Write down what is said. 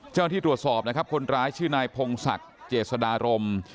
ที่ตรวจสอบนะครับคนร้ายชื่อนายพงศักดิ์เจษดารม